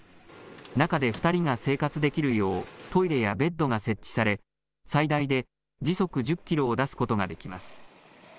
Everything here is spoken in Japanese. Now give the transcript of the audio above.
中で２人が生活できるよう、トイレやベッドが設置され、最大で時速１０キロを出すことができます。